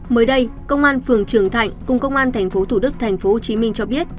mới đây công an phường trường thạnh cùng công an tp thủ đức tp hcm cho biết